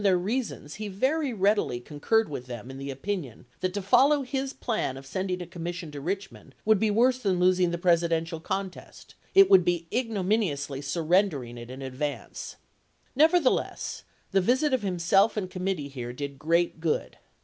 their reasons he very readily concurred with them in the opinion that to follow his plan of sending a commission to Richmond would be worse than losing the Presidential contest — it would be ignominiously surrendering it in advance. Never theless the visit of himself and committee here did great good.